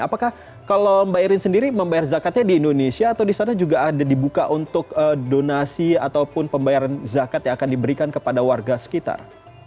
apakah kalau mbak irin sendiri membayar zakatnya di indonesia atau di sana juga ada dibuka untuk donasi ataupun pembayaran zakat yang akan diberikan kepada warga sekitar